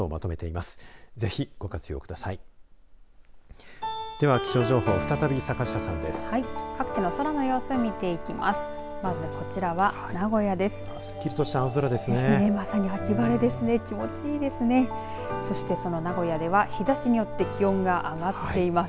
まず、こちらは名古屋です。